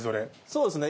そうですね。